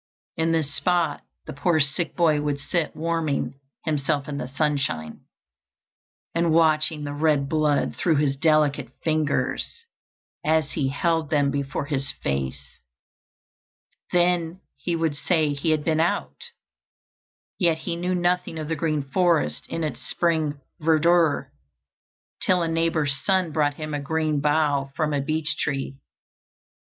In this spot the poor sick boy would sit warming himself in the sunshine, and watching the red blood through his delicate fingers as he held them before his face. Then he would say he had been out, yet he knew nothing of the green forest in its spring verdure, till a neighbor's son brought him a green bough from a beech tree.